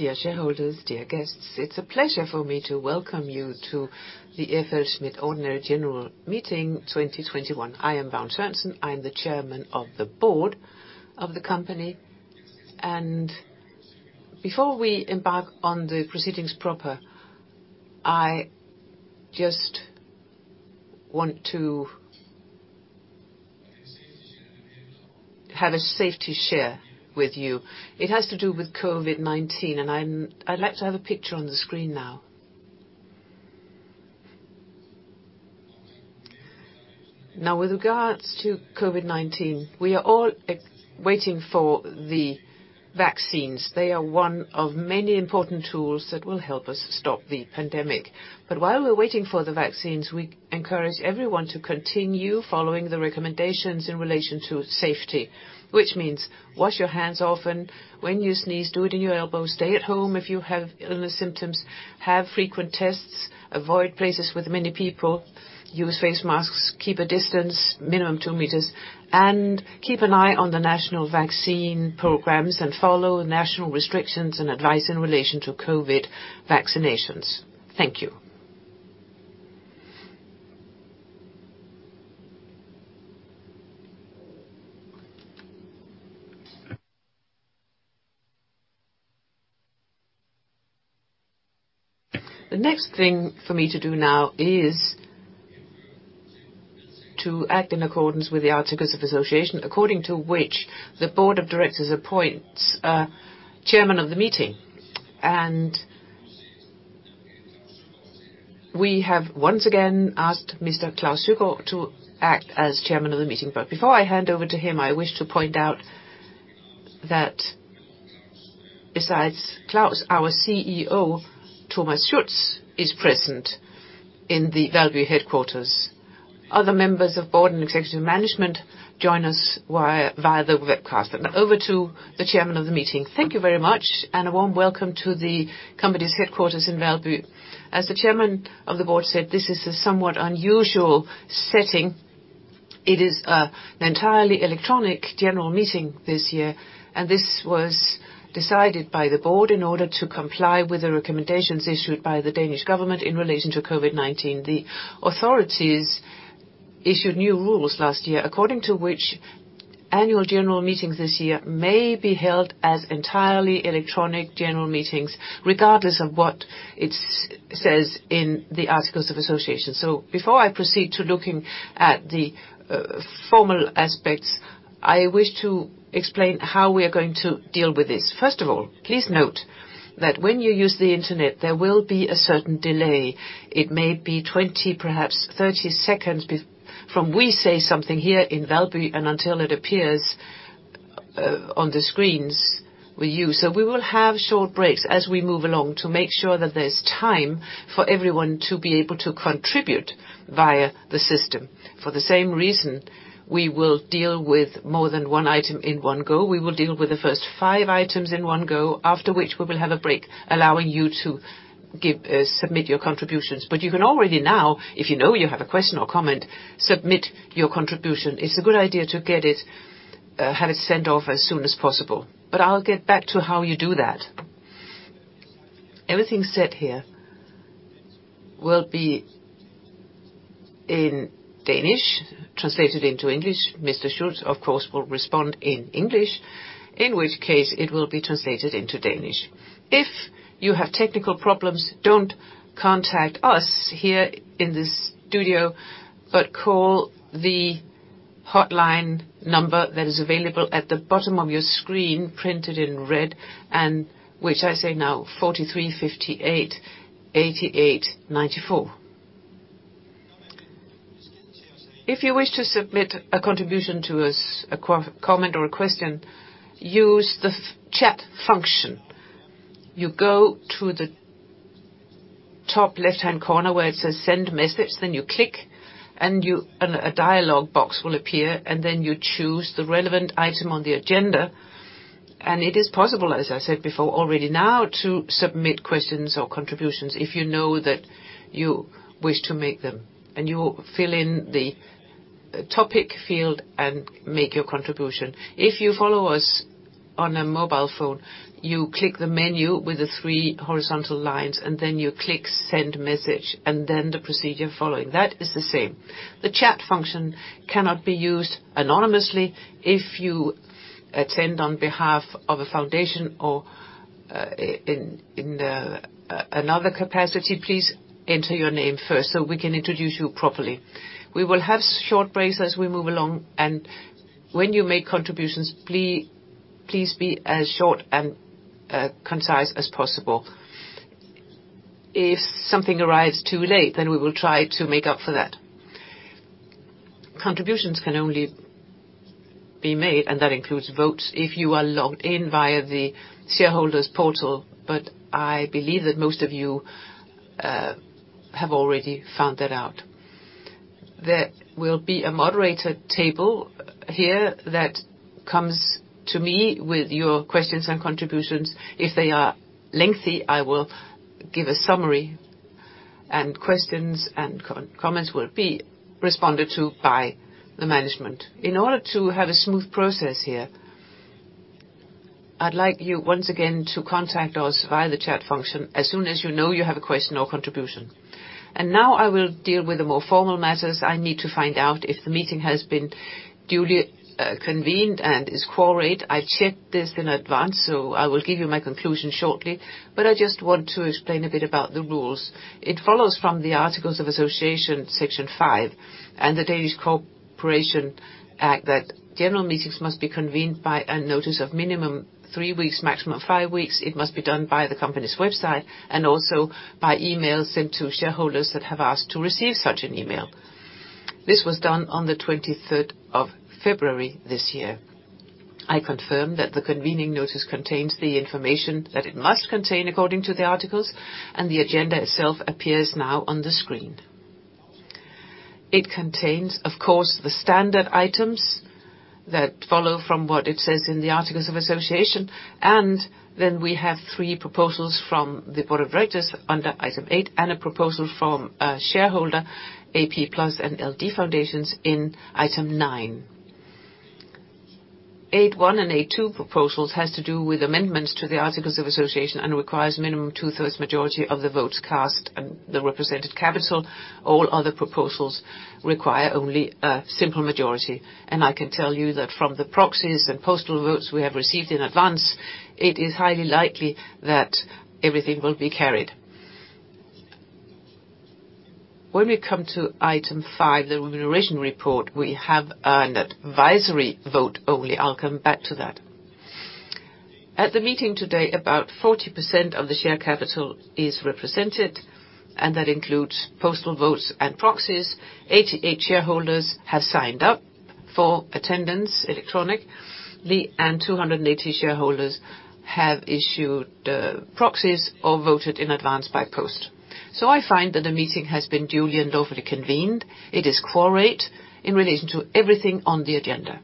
Dear shareholders, dear guests, it's a pleasure for me to welcome you to the FLSmidth Ordinary General Meeting 2021. I am Vagn Sørensen. I'm the chairman of the board of the company, and before we embark on the proceedings proper, I just want to have a safety share with you. It has to do with COVID-19, and I'd like to have a picture on the screen now. Now, with regards to COVID-19, we are all waiting for the vaccines. They are one of many important tools that will help us stop the pandemic. But while we're waiting for the vaccines, we encourage everyone to continue following the recommendations in relation to safety, which means wash your hands often, when you sneeze, do it in your elbows, stay at home if you have illness symptoms, have frequent tests, avoid places with many people, use face masks, keep a distance, minimum two meters, and keep an eye on the national vaccine programs and follow national restrictions and advice in relation to COVID vaccinations. Thank you. The next thing for me to do now is to act in accordance with the Articles of Association, according to which the board of directors appoints a chairman of the meeting. And we have once again asked Mr. Klaus Søgaard to act as chairman of the meeting. But before I hand over to him, I wish to point out that besides Klaus, our CEO, Thomas Schulz, is present in the Valby headquarters. Other members of board and executive management join us via the webcast. And over to the chairman of the meeting. Thank you very much and a warm welcome to the company's headquarters in Valby. As the chairman of the board said, this is a somewhat unusual setting. It is an entirely electronic general meeting this year, and this was decided by the board in order to comply with the recommendations issued by the Danish government in relation to COVID-19. The authorities issued new rules last year, according to which annual general meetings this year may be held as entirely electronic general meetings, regardless of what it says in the Articles of Association. Before I proceed to looking at the formal aspects, I wish to explain how we are going to deal with this. First of all, please note that when you use the internet, there will be a certain delay. It may be 20, perhaps 30 seconds from we say something here in Valby and until it appears on the screens with you. We will have short breaks as we move along to make sure that there's time for everyone to be able to contribute via the system. For the same reason, we will deal with more than one item in one go. We will deal with the first five items in one go, after which we will have a break allowing you to submit your contributions. You can already now, if you know you have a question or comment, submit your contribution. It's a good idea to have it sent off as soon as possible. But I'll get back to how you do that. Everything said here will be in Danish, translated into English. Mr. Schulz, of course, will respond in English, in which case it will be translated into Danish. If you have technical problems, don't contact us here in the studio, but call the hotline number that is available at the bottom of your screen, printed in red, and which I say now, 43588894. If you wish to submit a contribution to us, a comment or a question, use the chat function. You go to the top left-hand corner where it says Send Message, then you click, and a dialog box will appear, and then you choose the relevant item on the agenda. It is possible, as I said before, already now to submit questions or contributions if you know that you wish to make them. You will fill in the topic field and make your contribution. If you follow us on a mobile phone, you click the menu with the three horizontal lines, and then you click Send Message, and then the procedure following. That is the same. The chat function cannot be used anonymously. If you attend on behalf of a foundation or in another capacity, please enter your name first so we can introduce you properly. We will have short breaks as we move along, and when you make contributions, please be as short and concise as possible. If something arrives too late, then we will try to make up for that. Contributions can only be made, and that includes votes, if you are logged in via the shareholders' portal, but I believe that most of you have already found that out. There will be a moderator table here that comes to me with your questions and contributions. If they are lengthy, I will give a summary, and questions and comments will be responded to by the management. In order to have a smooth process here, I'd like you once again to contact us via the chat function as soon as you know you have a question or contribution. And now I will deal with the more formal matters. I need to find out if the meeting has been duly convened and is quorate. I checked this in advance, so I will give you my conclusion shortly, but I just want to explain a bit about the rules. It follows from the Articles of Association, Section 5, and the Danish Companies Act that general meetings must be convened by a notice of minimum three weeks, maximum five weeks. It must be done by the company's website and also by email sent to shareholders that have asked to receive such an email. This was done on the 23rd of February this year. I confirm that the convening notice contains the information that it must contain according to the articles, and the agenda itself appears now on the screen. It contains, of course, the standard items that follow from what it says in the Articles of Association, and then we have three proposals from the Board of Directors under item eight and a proposal from shareholders AkademikerPension and LD Fonde in item nine. Eight one and eight two proposals have to do with amendments to the Articles of Association and require a minimum two-thirds majority of the votes cast and the represented capital. All other proposals require only a simple majority. And I can tell you that from the proxies and postal votes we have received in advance, it is highly likely that everything will be carried. When we come to item five, the remuneration report, we have an advisory vote only. I'll come back to that. At the meeting today, about 40% of the share capital is represented, and that includes postal votes and proxies. 88 shareholders have signed up for attendance electronically, and 280 shareholders have issued proxies or voted in advance by post. So I find that the meeting has been duly and lawfully convened. It is quorate in relation to everything on the agenda.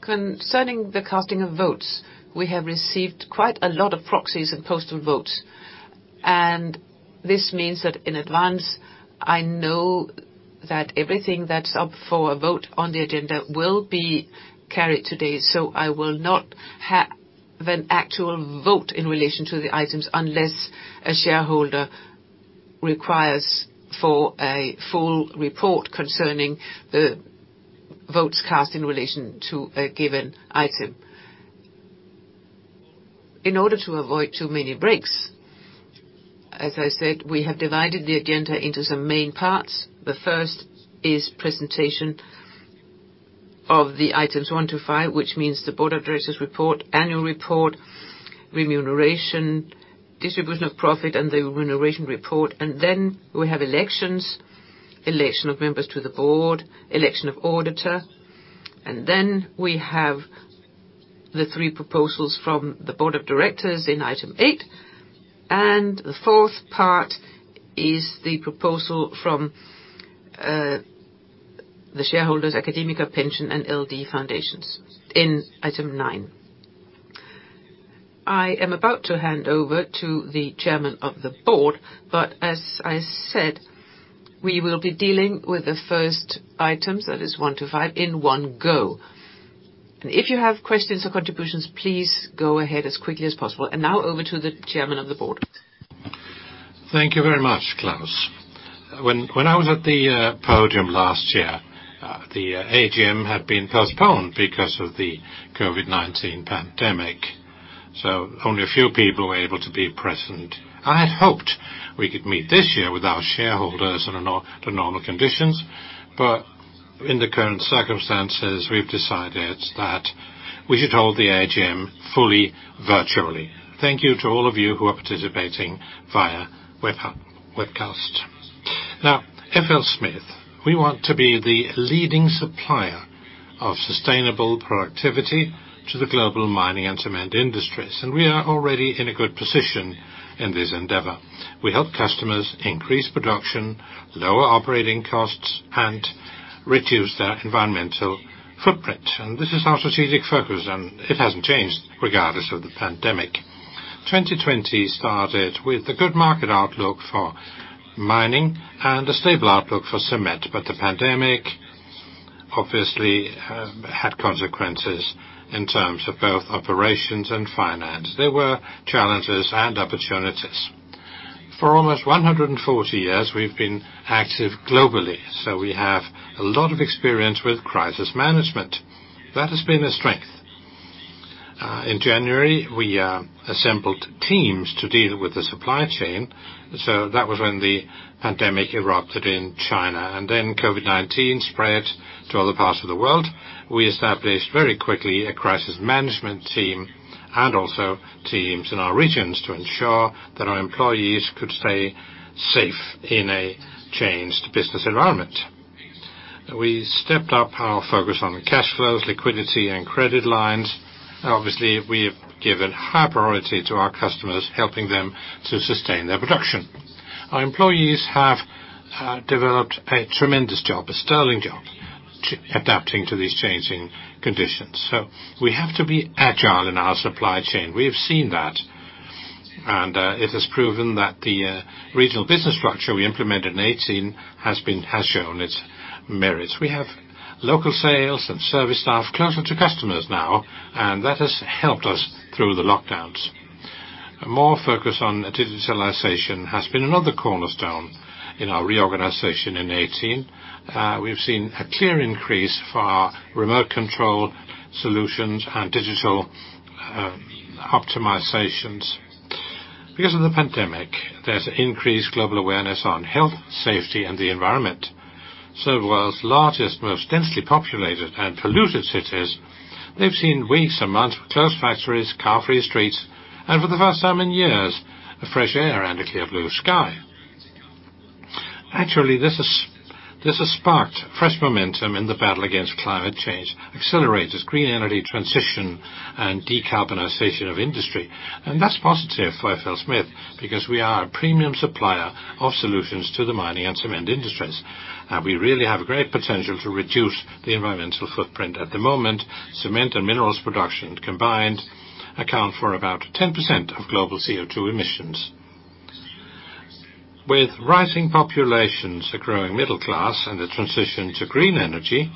Concerning the casting of votes, we have received quite a lot of proxies and postal votes, and this means that in advance, I know that everything that's up for a vote on the agenda will be carried today, so I will not have an actual vote in relation to the items unless a shareholder requires for a full report concerning the votes cast in relation to a given item. In order to avoid too many breaks, as I said, we have divided the agenda into some main parts. The first is presentation of the items one to five, which means the Board of Directors' report, annual report, remuneration, distribution of profit, and the remuneration report, and then we have elections, election of members to the Board, election of auditor, and then we have the three proposals from the Board of Directors in item eight. The fourth part is the proposal from the shareholders, AkademikerPension, and LD Fonde in item nine. I am about to hand over to the Chairman of the Board, but as I said, we will be dealing with the first items, that is one to five, in one go. And if you have questions or contributions, please go ahead as quickly as possible. Now over to the Chairman of the Board. Thank you very much, Klaus. When I was at the podium last year, the AGM had been postponed because of the COVID-19 pandemic, so only a few people were able to be present. I had hoped we could meet this year with our shareholders under normal conditions, but in the current circumstances, we've decided that we should hold the AGM fully virtually. Thank you to all of you who are participating via webcast. Now, FLSmidth, we want to be the leading supplier of sustainable productivity to the global mining and cement industries, and we are already in a good position in this endeavor. We help customers increase production, lower operating costs, and reduce their environmental footprint. This is our strategic focus, and it hasn't changed regardless of the pandemic. 2020 started with a good market outlook for mining and a stable outlook for cement, but the pandemic obviously had consequences in terms of both operations and finance. There were challenges and opportunities. For almost 140 years, we've been active globally, so we have a lot of experience with crisis management. That has been a strength. In January, we assembled teams to deal with the supply chain, so that was when the pandemic erupted in China, and then COVID-19 spread to other parts of the world. We established very quickly a crisis management team and also teams in our regions to ensure that our employees could stay safe in a changed business environment. We stepped up our focus on cash flows, liquidity, and credit lines. Obviously, we have given high priority to our customers, helping them to sustain their production. Our employees have developed a tremendous job, a sterling job, adapting to these changing conditions. So we have to be agile in our supply chain. We have seen that, and it has proven that the regional business structure we implemented in 2018 has shown its merits. We have local sales and service staff closer to customers now, and that has helped us through the lockdowns. More focus on digitalization has been another cornerstone in our reorganization in 2018. We've seen a clear increase for our remote control solutions and digital optimizations. Because of the pandemic, there's increased global awareness on health, safety, and the environment. So the world's largest, most densely populated, and polluted cities, they've seen weeks and months with closed factories, car-free streets, and for the first time in years, fresh air and a clear blue sky. Actually, this has sparked fresh momentum in the battle against climate change, accelerates green energy transition, and decarbonization of industry. That's positive for FLSmidth because we are a premium supplier of solutions to the mining and cement industries, and we really have a great potential to reduce the environmental footprint. At the moment, cement and minerals production combined account for about 10% of global CO2 emissions. With rising populations, a growing middle class, and the transition to green energy,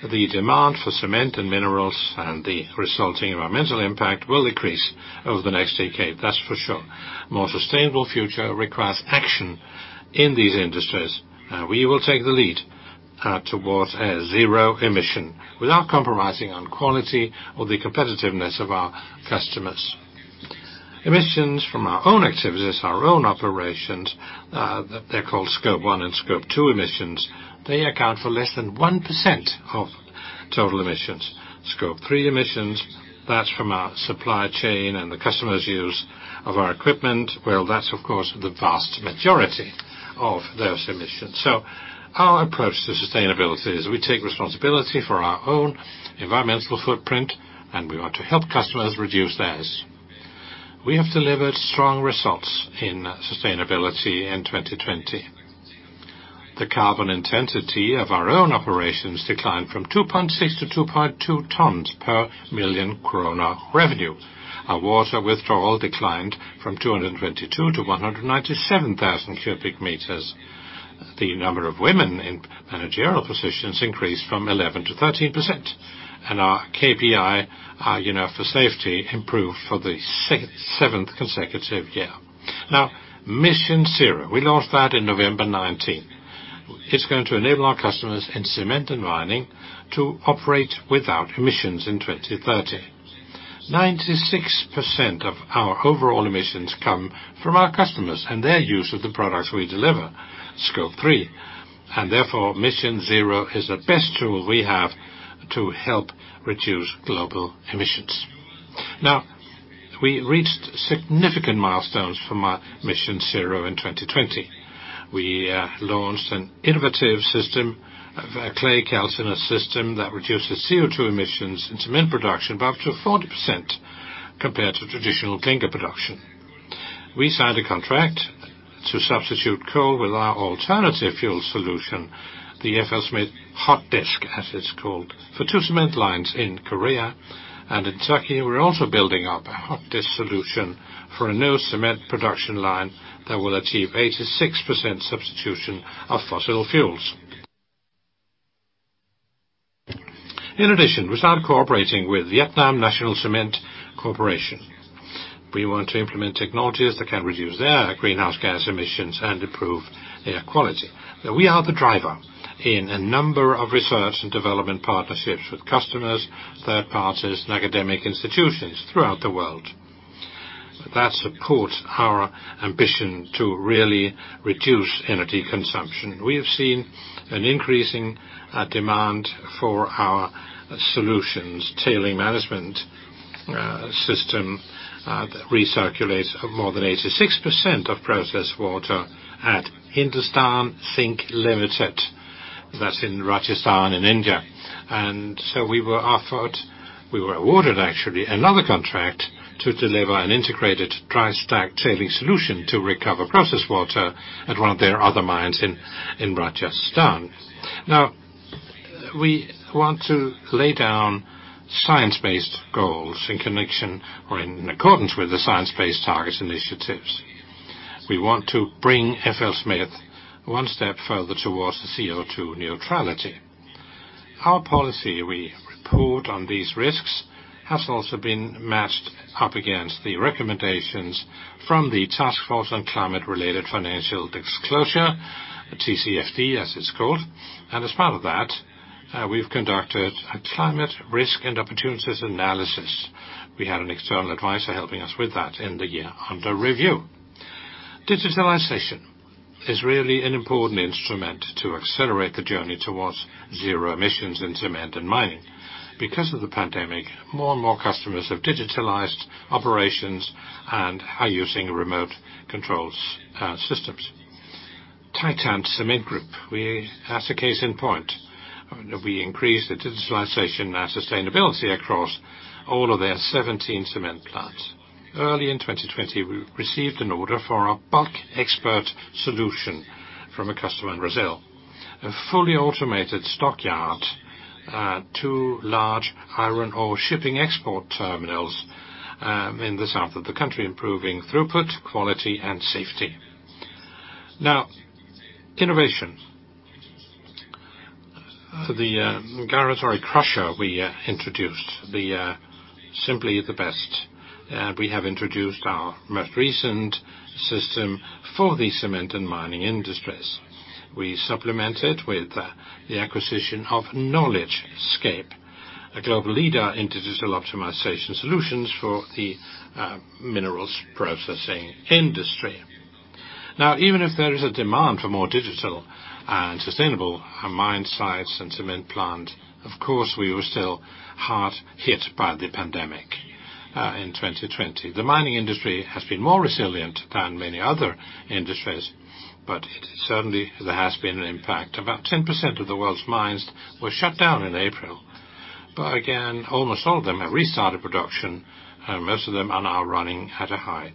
the demand for cement and minerals and the resulting environmental impact will decrease over the next decade, that's for sure. More sustainable future requires action in these industries, and we will take the lead towards a zero emission without compromising on quality or the competitiveness of our customers. Emissions from our own activities, our own operations, they're called Scope 1 and Scope 2 emissions. They account for less than 1% of total emissions. Scope 3 emissions, that's from our supply chain and the customers' use of our equipment. Well, that's, of course, the vast majority of those emissions. So our approach to sustainability is we take responsibility for our own environmental footprint, and we want to help customers reduce theirs. We have delivered strong results in sustainability in 2020. The carbon intensity of our own operations declined from 2.6 to 2.2 tons per million DKK revenue. Our water withdrawal declined from 222,000 to 197,000 cubic meters. The number of women in managerial positions increased from 11% to 13%, and our KPI, our unit for safety, improved for the seventh consecutive year. Now, MissionZero, we launched that in November 2019. It's going to enable our customers in cement and mining to operate without emissions in 2030. 96% of our overall emissions come from our customers and their use of the products we deliver. Scope 3, and therefore, MissionZero is the best tool we have to help reduce global emissions. Now, we reached significant milestones for MissionZero in 2020. We launched an innovative system, a Clay Calciner system that reduces CO2 emissions in cement production by up to 40% compared to traditional clinker production. We signed a contract to substitute coal with our alternative fuel solution, the FLSmidth HOTDISC, as it's called, for two cement lines in Korea and in Turkey. We're also building up a HOTDISC solution for a new cement production line that will achieve 86% substitution of fossil fuels. In addition, we started cooperating with Vietnam National Cement Corporation. We want to implement technologies that can reduce their greenhouse gas emissions and improve air quality. We are the driver in a number of research and development partnerships with customers, third parties, and academic institutions throughout the world. That supports our ambition to really reduce energy consumption. We have seen an increasing demand for our solutions, tailings management system that recirculates more than 86% of processed water at Hindustan Zinc Limited. That's in Rajasthan in India. And so we were offered, we were awarded actually another contract to deliver an integrated dry stack tailing solution to recover processed water at one of their other mines in Rajasthan. Now, we want to lay down science-based goals in connection or in accordance with the Science Based Targets initiative. We want to bring FLSmidth one step further towards the CO2 neutrality. Our policy, we report on these risks, has also been matched up against the recommendations from the Task Force on Climate-Related Financial Disclosures, TCFD, as it's called. And as part of that, we've conducted a climate risk and opportunities analysis. We had an external advisor helping us with that in the year under review. Digitalization is really an important instrument to accelerate the journey towards zero emissions in cement and mining. Because of the pandemic, more and more customers have digitalized operations and are using remote control systems. Titan Cement Group, we are a case in point. We increased the digitalization and sustainability across all of their 17 cement plants. Early in 2020, we received an order for a BulkExpert solution from a customer in Brazil, a fully automated stockyard to large iron ore shipping export terminals in the south of the country, improving throughput, quality, and safety. Now, innovation. The gyratory crusher we introduced, the Simply the Best, and we have introduced our most recent system for the cement and mining industries. We supplement it with the acquisition of KnowledgeScape, a global leader in digital optimization solutions for the minerals processing industry. Now, even if there is a demand for more digital and sustainable mine sites and cement plants, of course, we were still hard hit by the pandemic in 2020. The mining industry has been more resilient than many other industries, but certainly, there has been an impact. About 10% of the world's mines were shut down in April. But again, almost all of them have restarted production, and most of them are now running at a high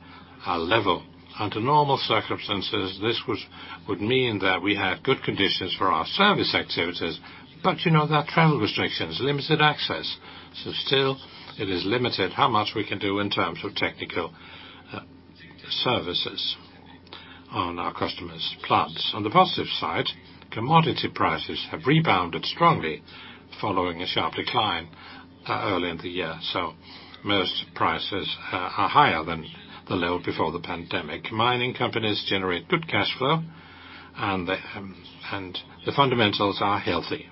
level. Under normal circumstances, this would mean that we have good conditions for our service activities, but that travel restrictions limited access. So still, it is limited how much we can do in terms of technical services on our customers' plants. On the positive side, commodity prices have rebounded strongly following a sharp decline early in the year, so most prices are higher than the level before the pandemic. Mining companies generate good cash flow, and the fundamentals are healthy,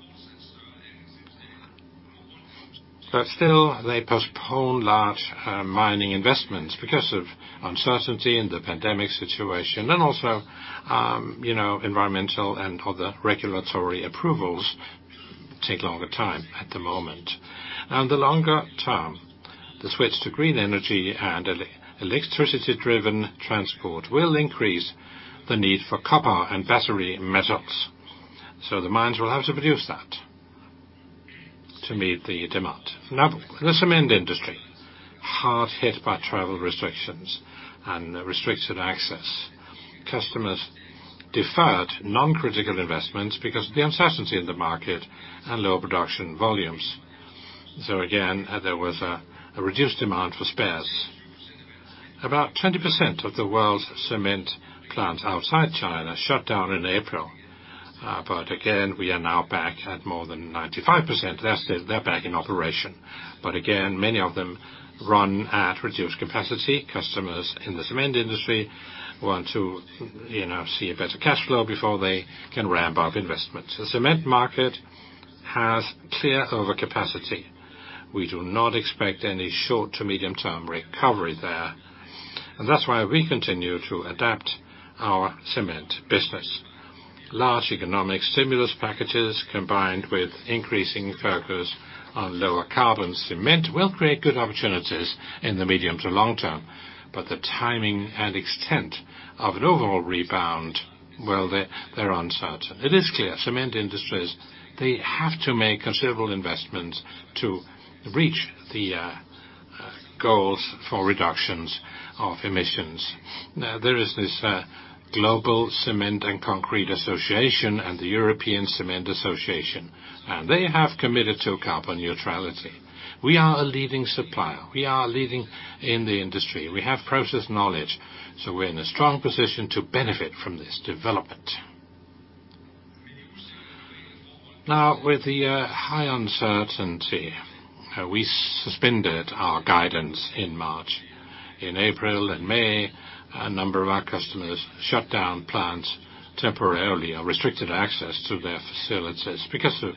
but still, they postpone large mining investments because of uncertainty in the pandemic situation and also environmental and other regulatory approvals take longer time at the moment and the longer term, the switch to green energy and electricity-driven transport will increase the need for copper and battery metals, so the mines will have to produce that to meet the demand. Now, the cement industry, hard hit by travel restrictions and restricted access, customers deferred non-critical investments because of the uncertainty in the market and lower production volumes, so again, there was a reduced demand for spares. About 20% of the world's cement plants outside China shut down in April. But again, we are now back at more than 95%. They're back in operation. But again, many of them run at reduced capacity. Customers in the cement industry want to see a better cash flow before they can ramp up investments. The cement market has clear overcapacity. We do not expect any short to medium-term recovery there. And that's why we continue to adapt our cement business. Large economic stimulus packages combined with increasing focus on lower carbon cement will create good opportunities in the medium to long term. But the timing and extent of an overall rebound, well, they're uncertain. It is clear cement industries, they have to make considerable investments to reach the goals for reductions of emissions. There is this Global Cement and Concrete Association and the European Cement Association, and they have committed to carbon neutrality. We are a leading supplier. We are leading in the industry. We have process knowledge. So we're in a strong position to benefit from this development. Now, with the high uncertainty, we suspended our guidance in March. In April and May, a number of our customers shut down plants temporarily or restricted access to their facilities because of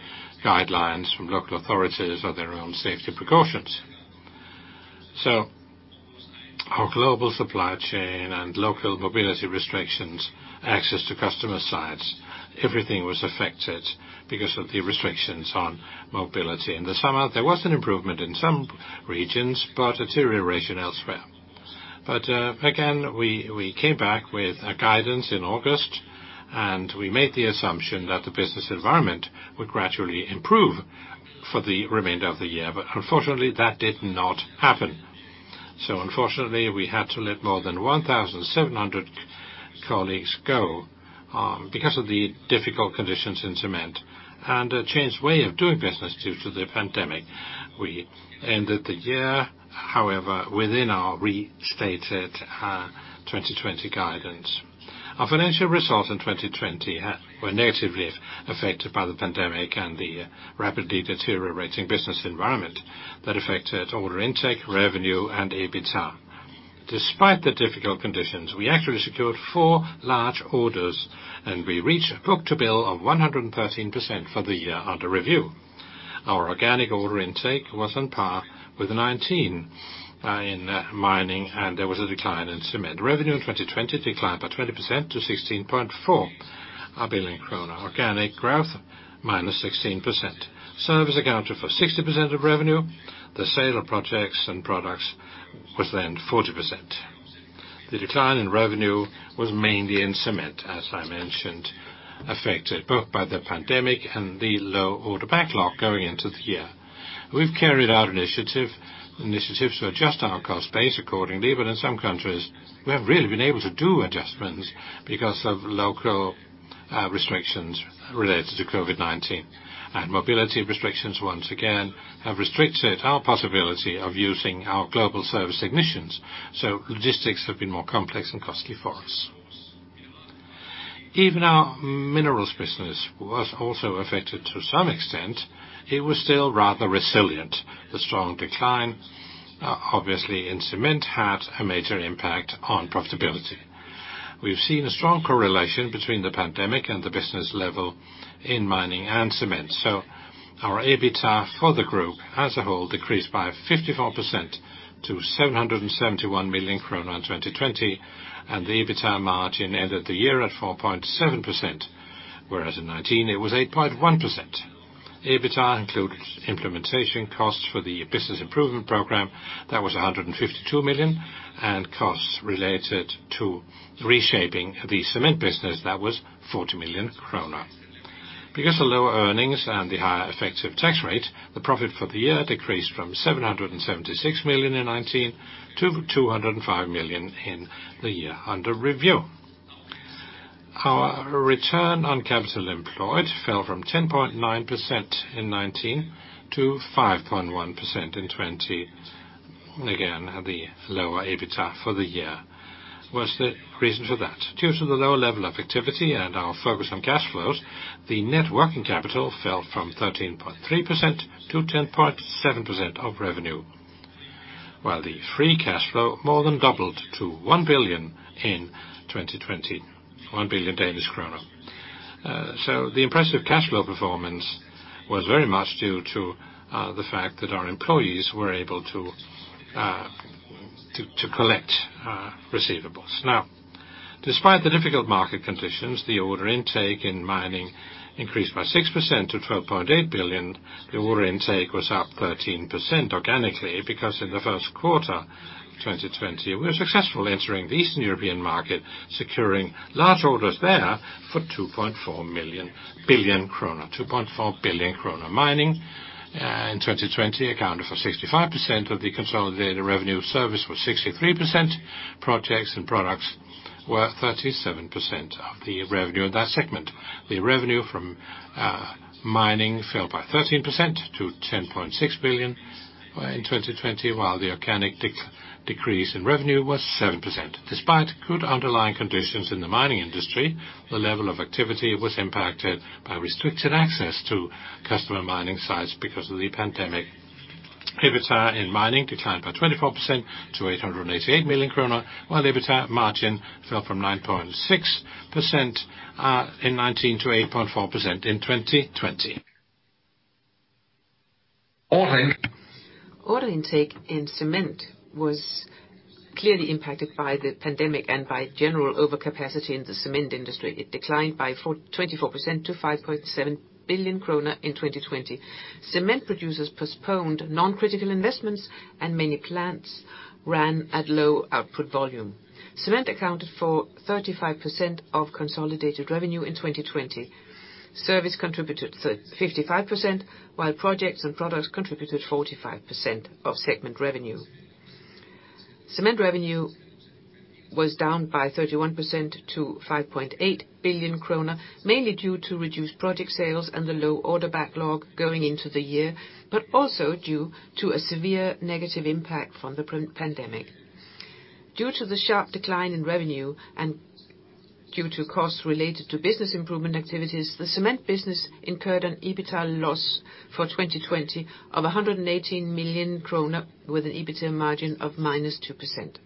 guidelines from local authorities or their own safety precautions. So our global supply chain and local mobility restrictions, access to customer sites, everything was affected because of the restrictions on mobility. In the summer, there was an improvement in some regions, but deterioration elsewhere. But again, we came back with guidance in August, and we made the assumption that the business environment would gradually improve for the remainder of the year. But unfortunately, that did not happen. Unfortunately, we had to let more than 1,700 colleagues go because of the difficult conditions in cement and a changed way of doing business due to the pandemic. We ended the year, however, within our restated 2020 guidance. Our financial results in 2020 were negatively affected by the pandemic and the rapidly deteriorating business environment that affected order intake, revenue, and EBITDA. Despite the difficult conditions, we actually secured four large orders, and we reached a book-to-bill of 113% for the year under review. Our organic order intake was on par with 19 in mining, and there was a decline in cement. Revenue in 2020 declined by 20% to 16.4 billion kroner. Organic growth, -16%. Service accounted for 60% of revenue. The sale of projects and products was then 40%. The decline in revenue was mainly in cement, as I mentioned, affected both by the pandemic and the low order backlog going into the year. We've carried out initiatives to adjust our cost base accordingly, but in some countries, we haven't really been able to do adjustments because of local restrictions related to COVID-19. And mobility restrictions once again have restricted our possibility of using our global service organization. So logistics have been more complex and costly for us. Even our minerals business was also affected to some extent. It was still rather resilient. The strong decline, obviously, in cement had a major impact on profitability. We've seen a strong correlation between the pandemic and the business level in mining and cement. Our EBITDA for the group as a whole decreased by 54% to 771 million krone in 2020, and the EBITDA margin ended the year at 4.7%, whereas in 2019 it was 8.1%. EBITDA included implementation costs for the business improvement program. That was 152 million, and costs related to reshaping the cement business, that was 40 million kroner. Because of lower earnings and the higher effective tax rate, the profit for the year decreased from 776 million in 2019 to 205 million in the year under review. Our return on capital employed fell from 10.9% in 2019 to 5.1% in 2020. Again, the lower EBITDA for the year was the reason for that. Due to the lower level of activity and our focus on cash flows, the net working capital fell from 13.3% to 10.7% of revenue, while the free cash flow more than doubled to 1 billion in 2020. So the impressive cash flow performance was very much due to the fact that our employees were able to collect receivables. Now, despite the difficult market conditions, the order intake in mining increased by 6% to 12.8 billion. The order intake was up 13% organically because in the first quarter of 2020, we were successfully entering the Eastern European market, securing large orders there for 2.4 billion kroner mining. In 2020, accounted for 65% of the consolidated revenue. Service was 63%. Projects and products were 37% of the revenue in that segment. The revenue from mining fell by 13% to 10.6 billion in 2020, while the organic decrease in revenue was 7%. Despite good underlying conditions in the mining industry, the level of activity was impacted by restricted access to customer mining sites because of the pandemic. EBITDA in mining declined by 24% to 888 million kroner, while EBITDA margin fell from 9.6% in 2019 to 8.4% in 2020. Order intake in cement was clearly impacted by the pandemic and by general overcapacity in the cement industry. It declined by 24% to 5.7 billion kroner in 2020. Cement producers postponed non-critical investments, and many plants ran at low output volume. Cement accounted for 35% of consolidated revenue in 2020. Service contributed 55%, while projects and products contributed 45% of segment revenue. Cement revenue was down by 31% to 5.8 billion kroner, mainly due to reduced project sales and the low order backlog going into the year, but also due to a severe negative impact from the pandemic. Due to the sharp decline in revenue and due to costs related to business improvement activities, the cement business incurred an EBITDA loss for 2020 of 118 million krone, with an EBITDA margin of minus 2%.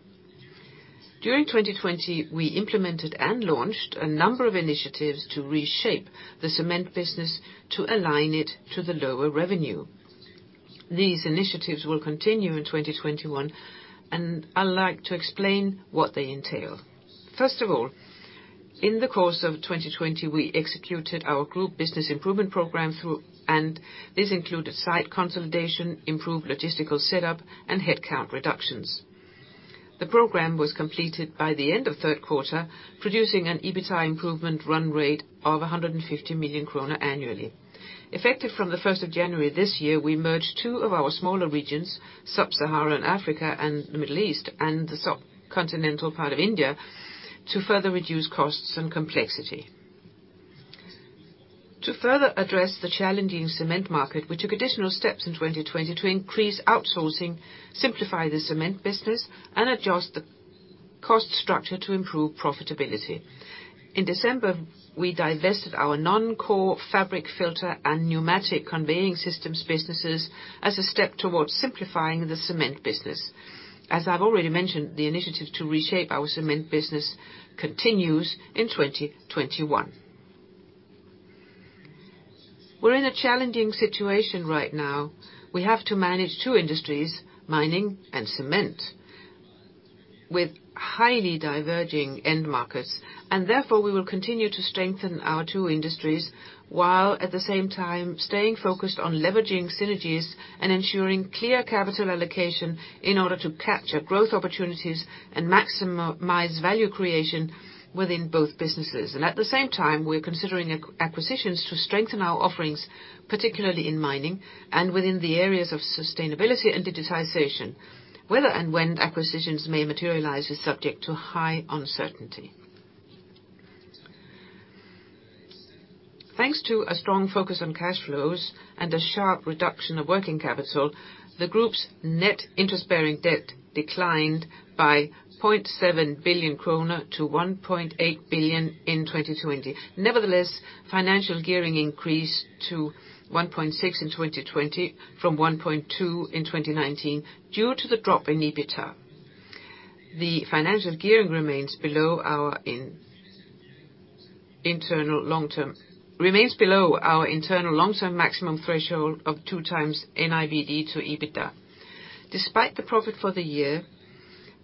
During 2020, we implemented and launched a number of initiatives to reshape the cement business to align it to the lower revenue. These initiatives will continue in 2021, and I'd like to explain what they entail. First of all, in the course of 2020, we executed our group business improvement program, and this included site consolidation, improved logistical setup, and headcount reductions. The program was completed by the end of third quarter, producing an EBITDA improvement run rate of 150 million kroner annually. Effective from the 1st of January this year, we merged two of our smaller regions, Sub-Saharan Africa and the Middle East, and the subcontinental part of India to further reduce costs and complexity. To further address the challenging cement market, we took additional steps in 2020 to increase outsourcing, simplify the cement business, and adjust the cost structure to improve profitability. In December, we divested our non-core fabric filter and pneumatic conveying systems businesses as a step towards simplifying the cement business. As I've already mentioned, the initiative to reshape our cement business continues in 2021. We're in a challenging situation right now. We have to manage two industries, mining and cement, with highly diverging end markets. And therefore, we will continue to strengthen our two industries while at the same time staying focused on leveraging synergies and ensuring clear capital allocation in order to capture growth opportunities and maximize value creation within both businesses. And at the same time, we're considering acquisitions to strengthen our offerings, particularly in mining and within the areas of sustainability and digitization. Whether and when acquisitions may materialize is subject to high uncertainty. Thanks to a strong focus on cash flows and a sharp reduction of working capital, the group's net interest-bearing debt declined by 0.7 billion kroner to 1.8 billion in 2020. Nevertheless, financial gearing increased to 1.6 in 2020 from 1.2 in 2019 due to the drop in EBITDA. The financial gearing remains below our internal long-term maximum threshold of two times NIBD to EBITDA. Despite the profit for the year,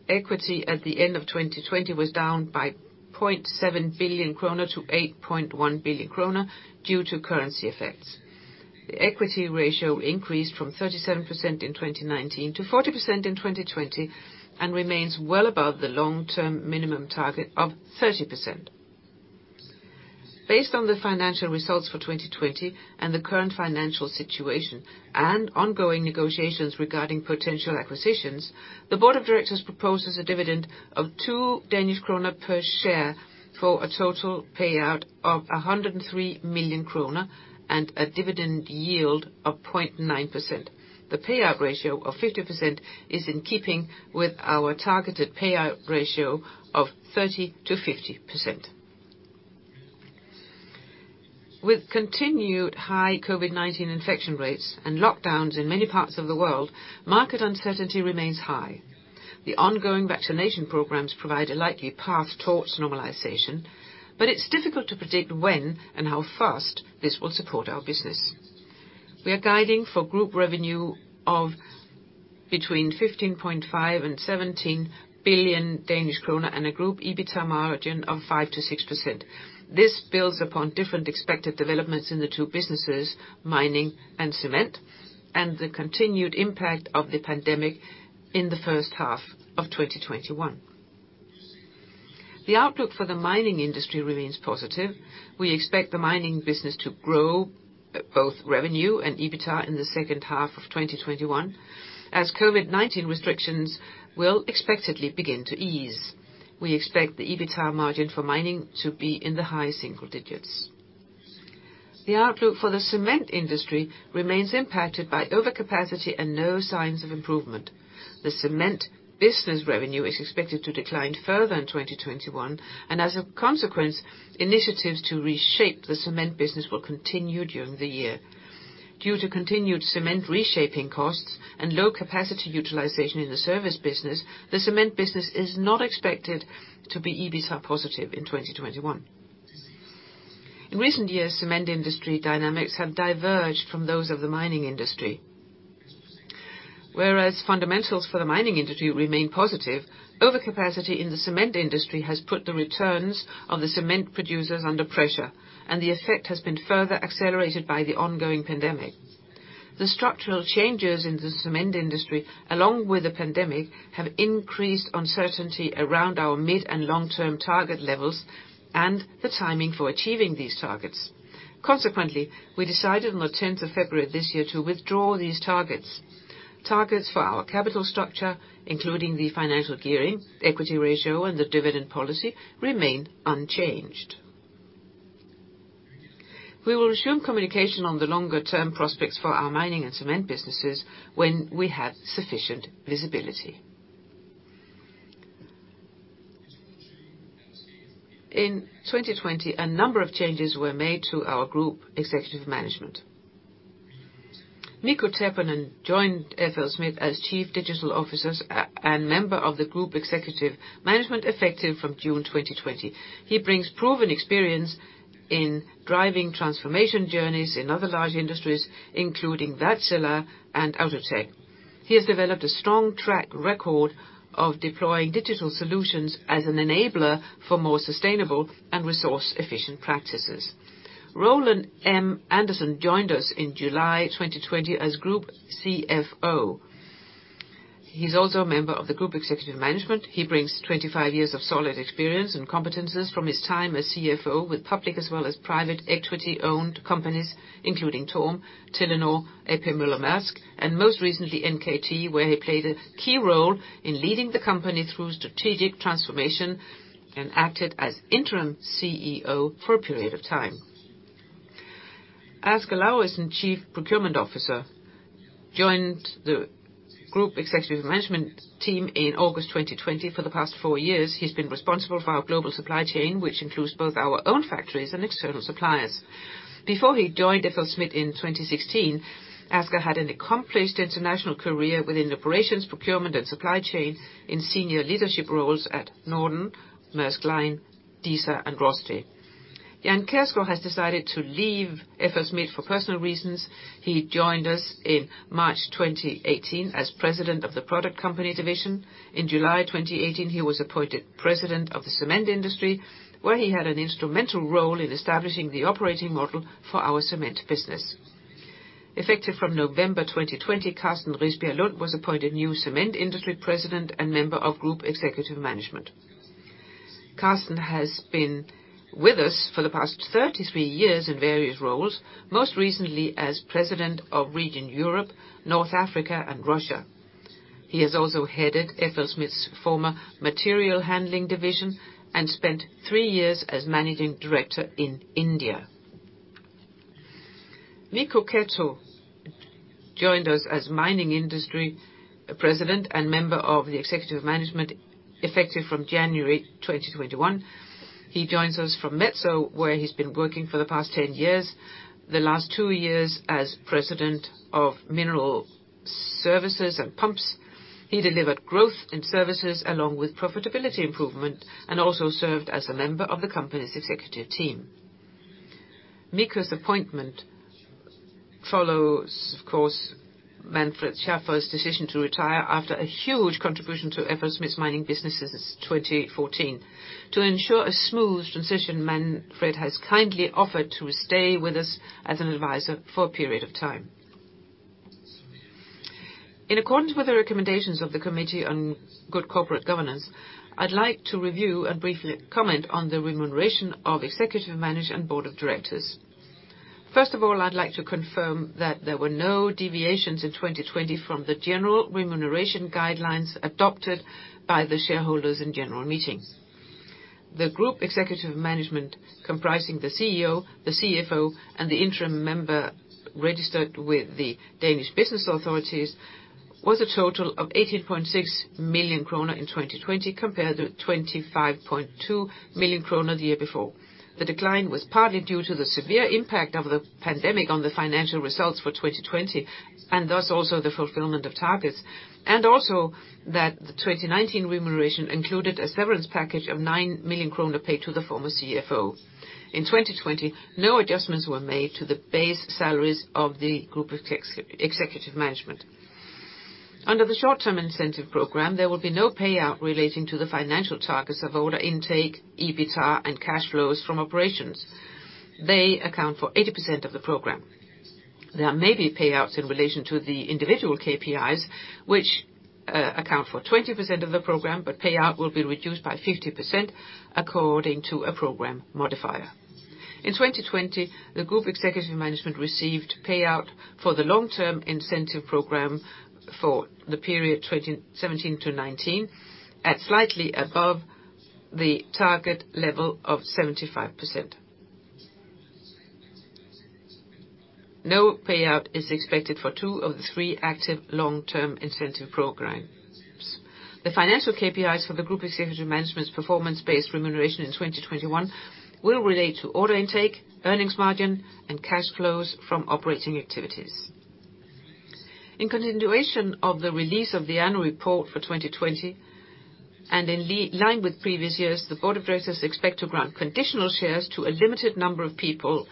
equity at the end of 2020 was down by 0.7 billion kroner to 8.1 billion kroner due to currency effects. The equity ratio increased from 37% in 2019 to 40% in 2020 and remains well above the long-term minimum target of 30%. Based on the financial results for 2020 and the current financial situation and ongoing negotiations regarding potential acquisitions, the board of directors proposes a dividend of 2 Danish kroner per share for a total payout of 103 million kroner and a dividend yield of 0.9%. The payout ratio of 50% is in keeping with our targeted payout ratio of 30%-50%. With continued high COVID-19 infection rates and lockdowns in many parts of the world, market uncertainty remains high. The ongoing vaccination programs provide a likely path towards normalization, but it's difficult to predict when and how fast this will support our business. We are guiding for group revenue of between 15.5 billion and 17 billion Danish krone and a group EBITDA margin of 5%-6%. This builds upon different expected developments in the two businesses, mining and cement, and the continued impact of the pandemic in the first half of 2021. The outlook for the mining industry remains positive. We expect the mining business to grow both revenue and EBITDA in the second half of 2021 as COVID-19 restrictions will expectedly begin to ease. We expect the EBITDA margin for mining to be in the high single digits. The outlook for the cement industry remains impacted by overcapacity and no signs of improvement. The cement business revenue is expected to decline further in 2021, and as a consequence, initiatives to reshape the cement business will continue during the year. Due to continued cement reshaping costs and low capacity utilization in the service business, the cement business is not expected to be EBITDA positive in 2021. In recent years, cement industry dynamics have diverged from those of the mining industry. Whereas fundamentals for the mining industry remain positive, overcapacity in the cement industry has put the returns of the cement producers under pressure, and the effect has been further accelerated by the ongoing pandemic. The structural changes in the cement industry, along with the pandemic, have increased uncertainty around our mid and long-term target levels and the timing for achieving these targets. Consequently, we decided on the 10th of February this year to withdraw these targets. Targets for our capital structure, including the financial gearing, equity ratio, and the dividend policy, remain unchanged. We will resume communication on the longer-term prospects for our mining and cement businesses when we have sufficient visibility. In 2020, a number of changes were made to our Group Executive Management. Mikko Tepponen joined FLSmidth as Chief Digital Officer and member of the Group Executive Management effective from June 2020. He brings proven experience in driving transformation journeys in other large industries, including Wärtsilä and Outotec. He has developed a strong track record of deploying digital solutions as an enabler for more sustainable and resource-efficient practices. Roland M. Andersen joined us in July 2020 as Group CFO. He's also a member of the Group Executive Management. He brings 25 years of solid experience and competencies from his time as CFO with public as well as private equity-owned companies, including TORM, Telenor, A.P. Moller - Maersk, and most recently NKT, where he played a key role in leading the company through strategic transformation and acted as interim CEO for a period of time. Asger Lauritsen, Chief Procurement Officer, joined the Group Executive Management team in August 2020. For the past four years, he's been responsible for our global supply chain, which includes both our own factories and external suppliers. Before he joined FLSmidth in 2016, Asger had an accomplished international career within operations, procurement, and supply chain in senior leadership roles at Norden, Maersk Line, DSV, and Rosti. Jan Kjærsgaard has decided to leave FLSmidth for personal reasons. He joined us in March 2018 as President of the Cement Industry division. In July 2018, he was appointed president of the cement industry, where he had an instrumental role in establishing the operating model for our cement business. Effective from November 2020, Carsten Riisberg Lund was appointed new cement industry president and member of Group Executive Management. Carsten has been with us for the past 33 years in various roles, most recently as president of Region Europe, North Africa, and Russia. He has also headed FLSmidth's former material handling division and spent three years as managing director in India. Mikko Keto joined us as mining industry president and member of Executive Management effective from January 2021. He joins us from Metso, where he's been working for the past 10 years, the last two years as president of mineral services and pumps. He delivered growth in services along with profitability improvement and also served as a member of the company's executive team. Mikko's appointment follows, of course, Manfred Schaffer's decision to retire after a huge contribution to FLSmidth's mining businesses in 2014. To ensure a smooth transition, Manfred has kindly offered to stay with us as an advisor for a period of time. In accordance with the recommendations of the Committee on Good Corporate Governance, I'd like to review and briefly comment on the remuneration of executive management board of directors. First of all, I'd like to confirm that there were no deviations in 2020 from the general remuneration guidelines adopted by the shareholders in general meetings. The Group Executive Management comprising the CEO, the CFO, and the interim member registered with the Danish business authorities was a total of 18.6 million kroner in 2020 compared to 25.2 million kroner the year before. The decline was partly due to the severe impact of the pandemic on the financial results for 2020 and thus also the fulfillment of targets, and also that the 2019 remuneration included a severance package of 9 million kroner paid to the former CFO. In 2020, no adjustments were made to the base salaries of the group executive management. Under the short-term incentive program, there will be no payout relating to the financial targets of order intake, EBITDA, and cash flows from operations. They account for 80% of the program. There may be payouts in relation to the individual KPIs, which account for 20% of the program, but payout will be reduced by 50% according to a program modifier. In 2020, the group executive management received payout for the long-term incentive program for the period 2017 to 2019 at slightly above the target level of 75%. No payout is expected for two of the three active long-term incentive programs. The financial KPIs for the Group Executive Management's performance-based remuneration in 2021 will relate to order intake, earnings margin, and cash flows from operating activities. In continuation of the release of the annual report for 2020, and in line with previous years, the board of directors expect to grant conditional shares to a limited number of people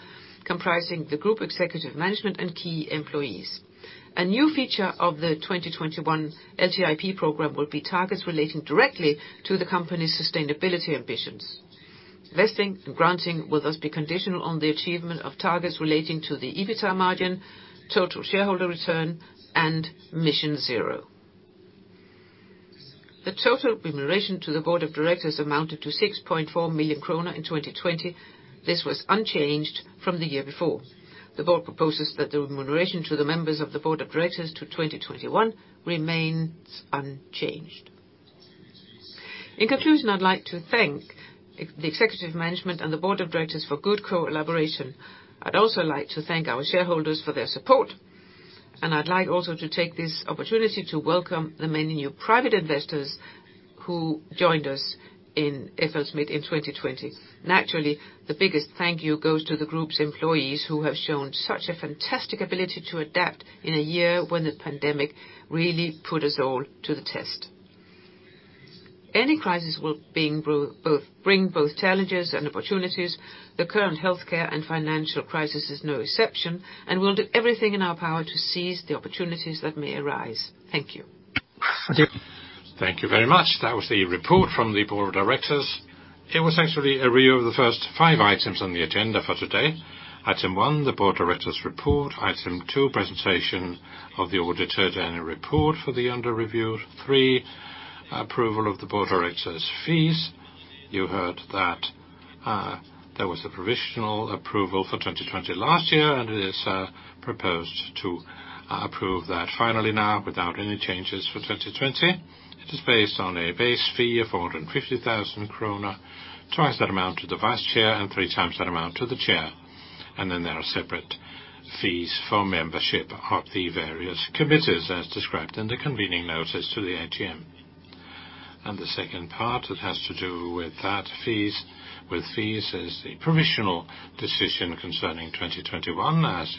comprising the Group Executive Management and key employees. A new feature of the 2021 LTIP program will be targets relating directly to the company's sustainability ambitions. Vesting and granting will thus be conditional on the achievement of targets relating to the EBITDA margin, Total Shareholder Return, and MissionZero. The total remuneration to the board of directors amounted to 6.4 million kroner in 2020. This was unchanged from the year before. The board proposes that the remuneration to the members of the board of directors to 2021 remains unchanged. In conclusion, I'd like to thank the executive management and the board of directors for good collaboration. I'd also like to thank our shareholders for their support, and I'd like also to take this opportunity to welcome the many new private investors who joined us in FLSmidth in 2020. Naturally, the biggest thank you goes to the group's employees who have shown such a fantastic ability to adapt in a year when the pandemic really put us all to the test. Any crisis will bring both challenges and opportunities. The current healthcare and financial crisis is no exception, and we'll do everything in our power to seize the opportunities that may arise. Thank you. Thank you very much. That was the report from the board of directors. It was actually a review of the first five items on the agenda for today. Item one, the board of directors' report. Item two, presentation of the auditor's report for the year under review. Three, approval of the board of directors' fees. You heard that there was a provisional approval for 2020 last year, and it is proposed to approve that finally now without any changes for 2020. It is based on a base fee of 450,000 kroner, twice that amount to the vice chair and three times that amount to the chair. Then there are separate fees for membership of the various committees as described in the convening notice to the AGM. The second part that has to do with those fees is the provisional decision concerning 2021. As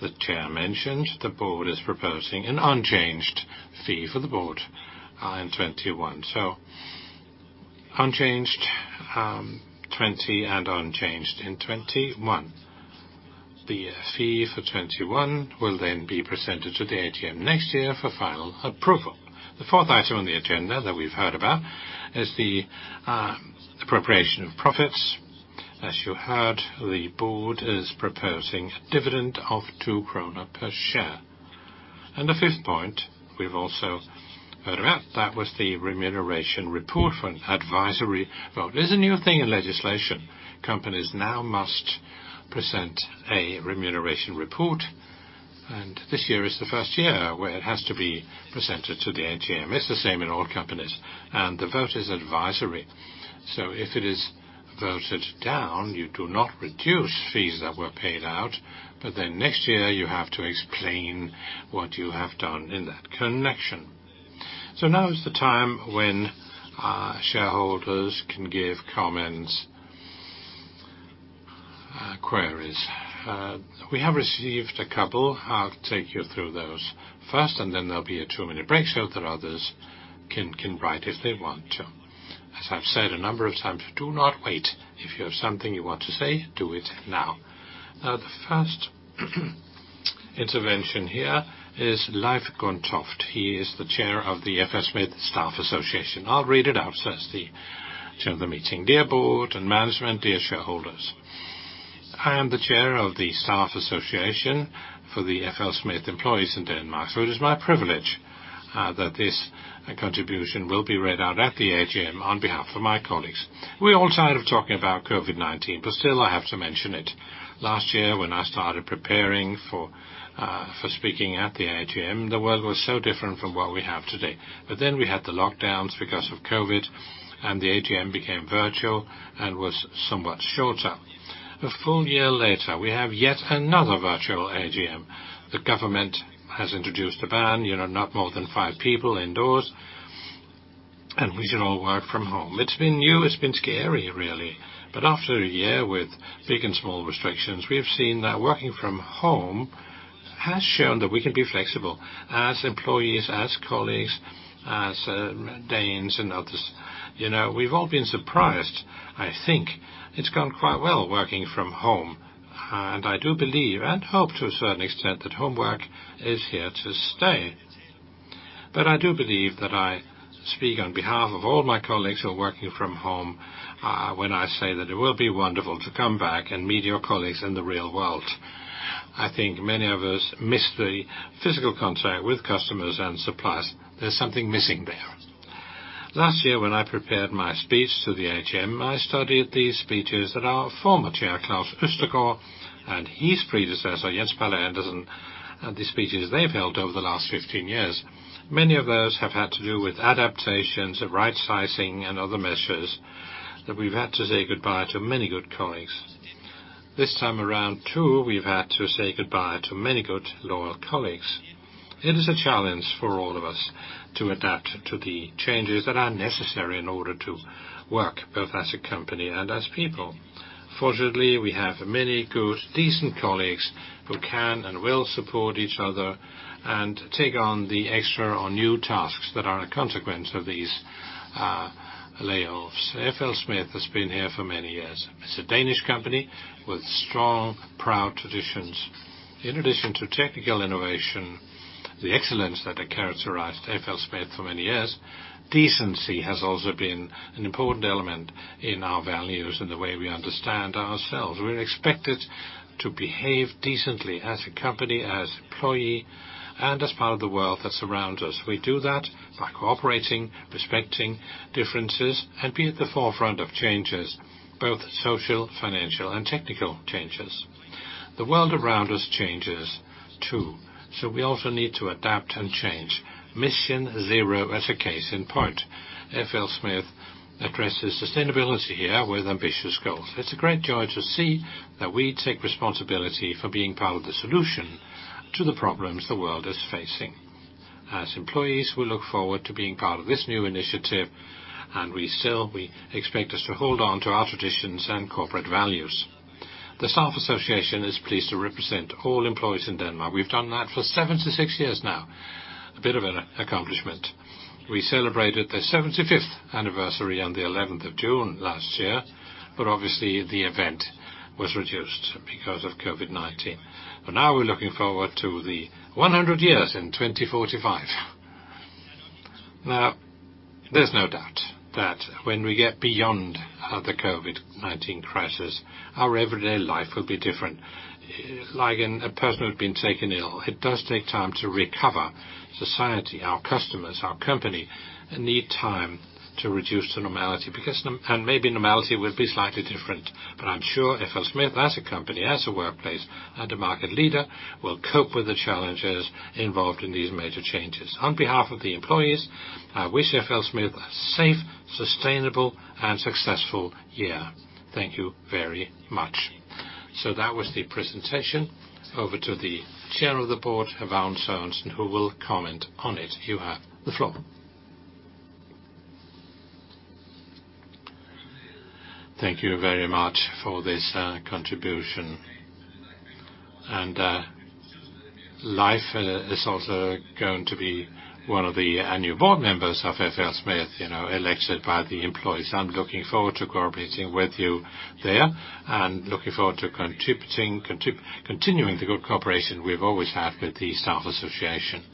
the chair mentioned, the board is proposing an unchanged fee for the board in 2021. is unchanged in 2020 and unchanged in 2021. The fee for 2021 will then be presented to the AGM next year for final approval. The fourth item on the agenda that we've heard about is the appropriation of profits. As you heard, the board is proposing a dividend of 2 krone per share. The fifth point we've also heard about is the remuneration report for an advisory vote. It is a new thing in legislation. Companies now must present a remuneration report, and this year is the first year where it has to be presented to the AGM. It is the same in all companies, and the vote is advisory. If it is voted down, you do not reduce fees that were paid out, but then next year you have to explain what you have done in that connection. So now is the time when shareholders can give comments and queries. We have received a couple. I'll take you through those first, and then there'll be a two-minute break so that others can write if they want to. As I've said a number of times, do not wait. If you have something you want to say, do it now. Now, the first intervention here is Leif Gundtoft. He is the Chair of the FLSmidth Staff Association. I'll read it out. Says the Chair of the meeting, "Dear board and management, dear shareholders. I am the Chair of the staff association for the FLSmidth employees in Denmark, so it is my privilege that this contribution will be read out at the AGM on behalf of my colleagues." We're all tired of talking about COVID-19, but still I have to mention it. Last year when I started preparing for speaking at the AGM, the world was so different from what we have today. But then we had the lockdowns because of COVID, and the AGM became virtual and was somewhat shorter. A full year later, we have yet another virtual AGM. The government has introduced a ban, not more than five people indoors, and we should all work from home. It's been new. It's been scary, really. But after a year with big and small restrictions, we have seen that working from home has shown that we can be flexible as employees, as colleagues, as Danes and others. We've all been surprised, I think. It's gone quite well working from home, and I do believe and hope to a certain extent that work from home is here to stay. But I do believe that I speak on behalf of all my colleagues who are working from home when I say that it will be wonderful to come back and meet your colleagues in the real world. I think many of us miss the physical contact with customers and suppliers. There's something missing there. Last year when I prepared my speech to the AGM, I studied these speeches that our former chair, Claus Østergaard, and his predecessor, Jens Palle Andersen, and the speeches they've held over the last 15 years. Many of those have had to do with adaptations, right-sizing, and other measures that we've had to say goodbye to many good colleagues. This time around too, we've had to say goodbye to many good loyal colleagues. It is a challenge for all of us to adapt to the changes that are necessary in order to work both as a company and as people. Fortunately, we have many good, decent colleagues who can and will support each other and take on the extra or new tasks that are a consequence of these layoffs. FLSmidth has been here for many years. It's a Danish company with strong, proud traditions. In addition to technical innovation, the excellence that characterized FLSmidth for many years, decency has also been an important element in our values and the way we understand ourselves. We're expected to behave decently as a company, as employee, and as part of the world that surrounds us. We do that by cooperating, respecting differences, and being at the forefront of changes, both social, financial, and technical changes. The world around us changes too, so we also need to adapt and change. MissionZero is a case in point. FLSmidth addresses sustainability here with ambitious goals. It's a great joy to see that we take responsibility for being part of the solution to the problems the world is facing. As employees, we look forward to being part of this new initiative, and we still expect us to hold on to our traditions and corporate values. The staff association is pleased to represent all employees in Denmark. We've done that for seventy-six years now. A bit of an accomplishment. We celebrated the 75th anniversary on the 11th of June last year, but obviously the event was reduced because of COVID-19. But now we're looking forward to the 100 years in 2045. Now, there's no doubt that when we get beyond the COVID-19 crisis, our everyday life will be different. Like a person who's been taken ill, it does take time to recover. Society, our customers, our company need time to return to normality. And maybe normality will be slightly different, but I'm sure FLSmidth, as a company, as a workplace, and a market leader, will cope with the challenges involved in these major changes. On behalf of the employees, I wish FLSmidth a safe, sustainable, and successful year. Thank you very much. So that was the presentation. Over to the chair of the board, Vagn Sørensen, who will comment on it. You have the floor. Thank you very much for this contribution. And Leif is also going to be one of the employee-elected board members of FLSmidth. I'm looking forward to cooperating with you there and looking forward to continuing the good cooperation we've always had with the staff association.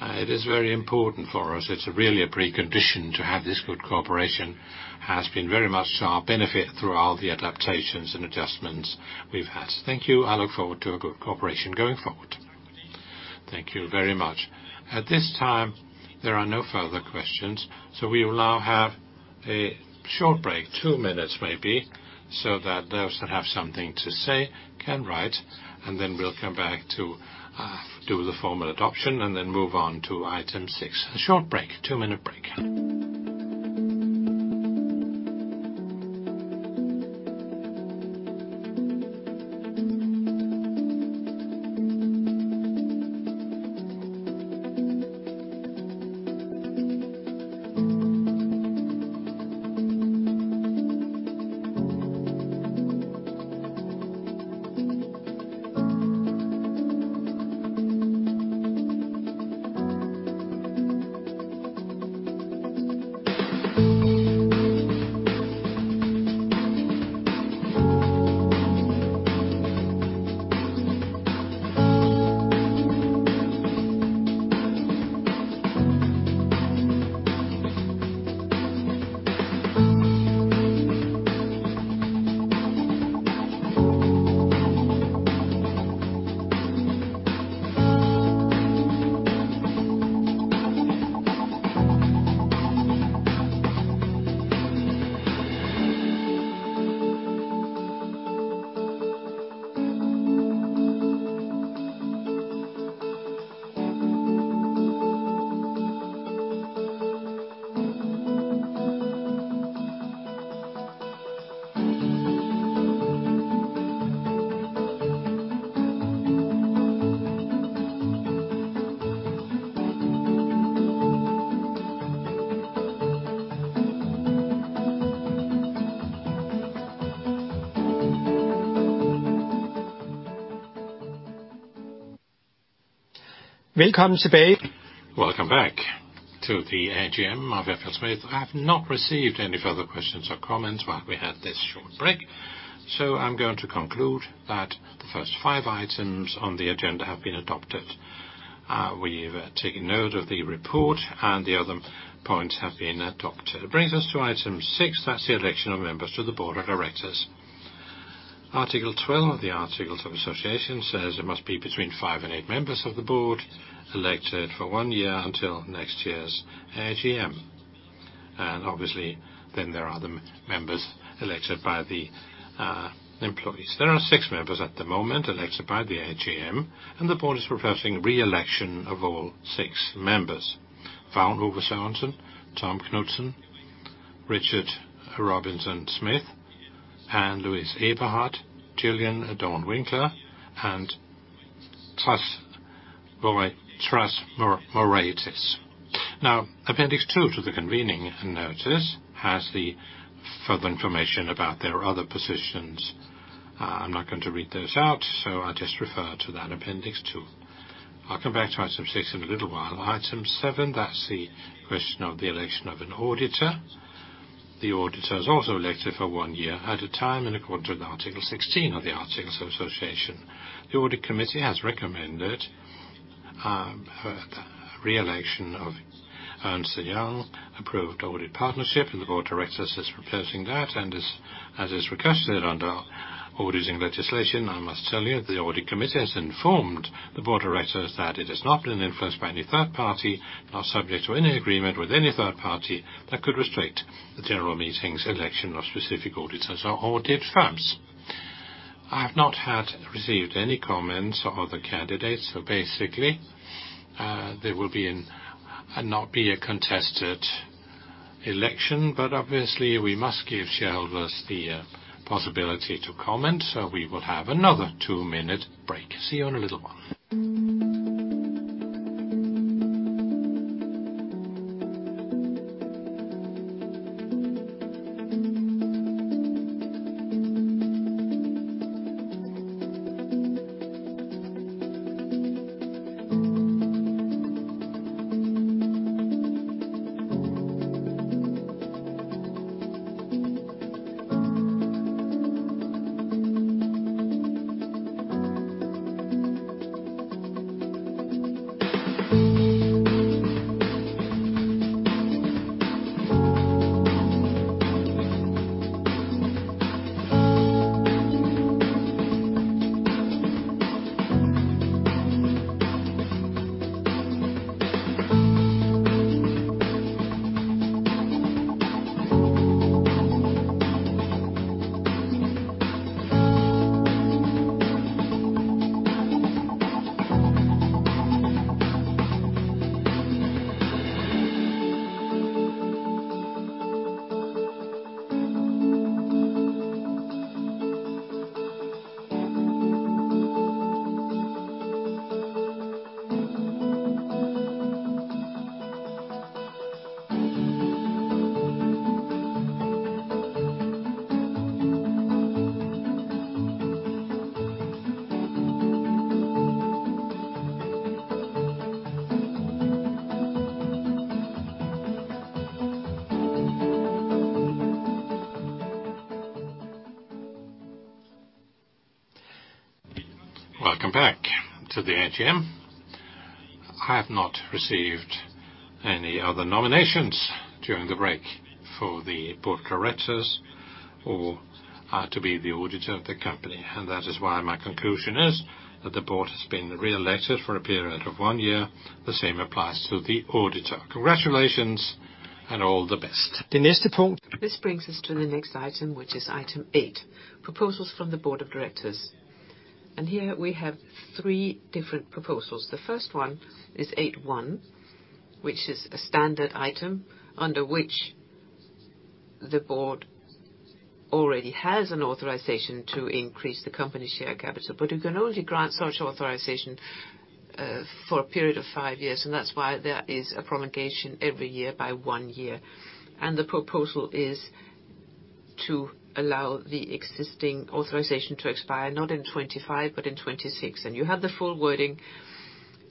It is very important for us. It's really a precondition to have this good cooperation. It has been very much to our benefit through all the adaptations and adjustments we've had. Thank you. I look forward to a good cooperation going forward. Thank you very much. At this time, there are no further questions, so we will now have a short break, two minutes maybe, so that those that have something to say can write, and then we'll come back to do the formal adoption and then move on to item six. A short break, two-minute break. Welcome back to the AGM of FLSmidth. I have not received any further questions or comments while we had this short break, so I'm going to conclude that the first five items on the agenda have been adopted. We've taken note of the report, and the other points have been adopted. It brings us to item six. That's the election of members to the board of directors. Article 12 of the Articles of Association says there must be between five and eight members of the board elected for one year until next year's AGM, and obviously, then there are the members elected by the employees. There are six members at the moment elected by the AGM, and the board is requesting re-election of all six members: Vagn Sørensen, Tom Knutzen, Richard Robinson Smith, Anne Louise Eberhard, Gillian Dawn Winckler, and Thras Moraitis. Now, Appendix II to the convening notice has the further information about their other positions. I'm not going to read those out, so I'll just refer to that Appendix II. I'll come back to item six in a little while. Item seven, that's the question of the election of an auditor. The auditor is also elected for one year at a time in accordance with Article 16 of the Articles of Association. The audit committee has recommended re-election of Ernst & Young, approved audit partnership, and the board of directors is proposing that. And as is requested under auditing legislation, I must tell you that the audit committee has informed the board of directors that it has not been influenced by any third party, not subject to any agreement with any third party that could restrict the general meeting's election of specific auditors or audit firms. I have not received any comments or other candidates, so basically, there will not be a contested election, but obviously, we must give shareholders the possibility to comment, so we will have another two-minute break. See you in a little while. Welcome back to the AGM. I have not received any other nominations during the break for the board of directors or to be the auditor of the company, and that is why my conclusion is that the board has been re-elected for a period of one year. The same applies to the auditor. Congratulations and all the best. This brings us to the next item, which is item eight, proposals from the board of directors, and here we have three different proposals. The first one is 8.1, which is a standard item under which the board already has an authorization to increase the company's share capital, but you can only grant such authorization for a period of five years, and that's why there is a prolongation every year by one year. And the proposal is to allow the existing authorization to expire, not in 2025, but in 2026. And you have the full wording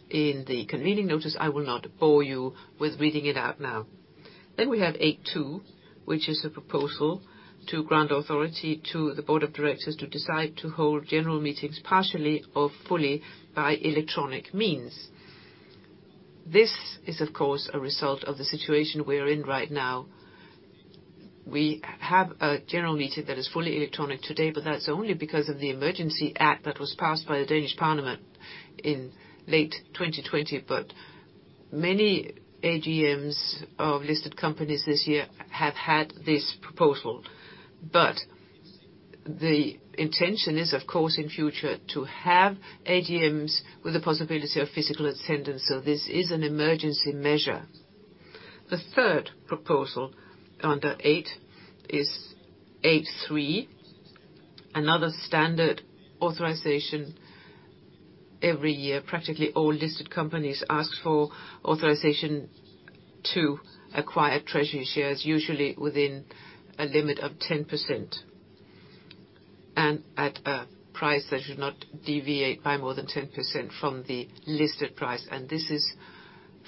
in the convening notice. I will not bore you with reading it out now. Then we have 8.2, which is a proposal to grant authority to the board of directors to decide to hold general meetings partially or fully by electronic means. This is, of course, a result of the situation we're in right now. We have a general meeting that is fully electronic today, but that's only because of the emergency act that was passed by the Danish Parliament in late 2020. But many AGMs of listed companies this year have had this proposal, but the intention is, of course, in future to have AGMs with the possibility of physical attendance, so this is an emergency measure. The third proposal under eight is 8.3, another standard authorization every year. Practically all listed companies ask for authorization to acquire treasury shares, usually within a limit of 10% and at a price that should not deviate by more than 10% from the listed price, and this is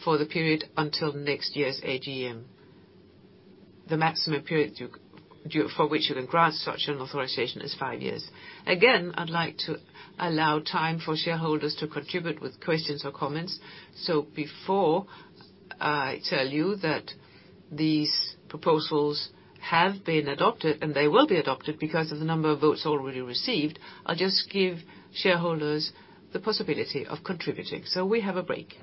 for the period until next year's AGM. The maximum period for which you can grant such an authorization is five years. Again, I'd like to allow time for shareholders to contribute with questions or comments, so before I tell you that these proposals have been adopted and they will be adopted because of the number of votes already received, I'll just give shareholders the possibility of contributing. So we have a break.